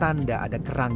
imas membantu mencari kerang